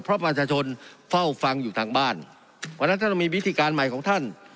เพราะประชาชนเฝ้าฟังอยู่ทางบ้านวันนั้นจะมีวิธีการใหม่ของท่าน